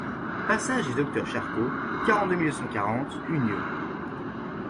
Passage des Docteurs Charcot, quarante-deux mille deux cent quarante Unieux